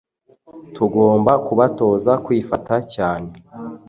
tugomba kubatoza kwifata cyane